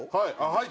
はい。